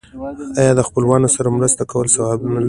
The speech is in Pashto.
آیا د خپلوانو سره مرسته کول ثواب نه دی؟